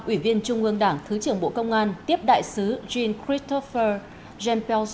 ủy viên trung ương đảng thứ trưởng bộ công an tiếp đại sứ jean christophe jean pierre